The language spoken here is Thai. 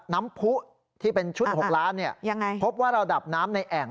น้ำพุที่เป็นชุด๖ล้านพบว่าระดับน้ำในแอ่ง